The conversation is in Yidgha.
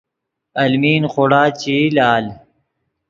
المی خوڑا چے ای لال